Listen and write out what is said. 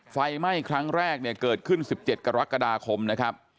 ไฟไหม้ครั้งแรกเนี่ยเกิดขึ้น๑๗กรกฎาคมนะครับ